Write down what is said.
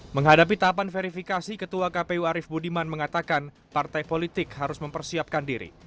menghadapi tahapan verifikasi ketua kpu arief budiman mengatakan partai politik harus mempersiapkan diri